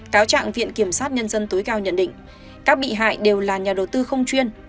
cáo trạng viện kiểm sát nhân dân tối cao nhận định các bị hại đều là nhà đầu tư không chuyên